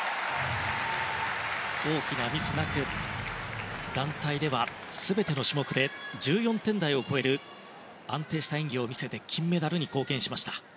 大きなミスなく団体では全ての種目で１４点台を超える安定した演技を見せて金メダルに貢献しました。